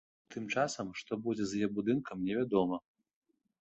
Тым часам, што будзе з яе будынкам, невядома.